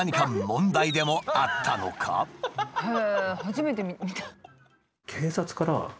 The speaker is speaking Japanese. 初めて見た。